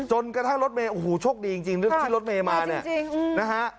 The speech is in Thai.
จนกระทั่งรถเมย์โอ้โหโชคดีจริงเรื่องที่รถเมย์มาเนี่ยนะฮะ